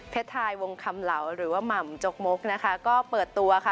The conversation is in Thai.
ทายวงคำเหลาหรือว่าหม่ำจกมกนะคะก็เปิดตัวค่ะ